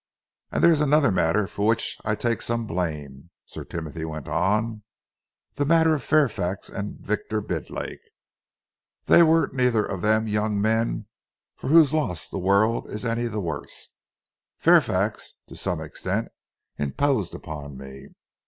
"And there is another matter for which I take some blame," Sir Timothy went on, "the matter of Fairfax and Victor Bidlake. They were neither of them young men for whose loss the world is any the worse. Fairfax to some extent imposed upon me.